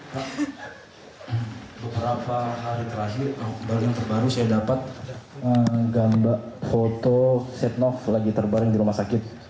beberapa hari terakhir baru yang terbaru saya dapat gambar foto setnov lagi terbaring di rumah sakit